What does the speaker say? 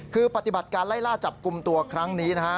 คือปฏิบัติการไล่ล่าจับกลุ่มตัวครั้งนี้นะฮะ